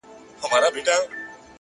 له تېروتنو زده کړه ځواک دی،